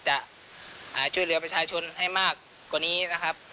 จะช่วยเหลือประชาชนให้มากกว่านี้นะครับ